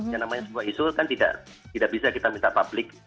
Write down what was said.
yang namanya sebuah isu kan tidak bisa kita minta publik